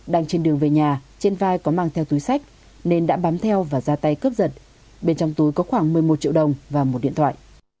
đang trên đường về nhà trên vai có mang theo túi sách nên đã bám theo và ra tay cướp giật bên trong túi có khoảng một mươi một triệu đồng và một điện thoại